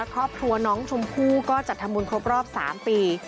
ครอบครัวน้องชมพู่ก็จัดทำบุญครบรอบ๓ปี